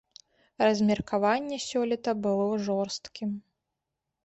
Размеркаванне сёлета было жорсткім.